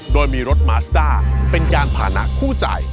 โดยมีรถมาสตาร์เป็นการผ่านหนักคู่ใจ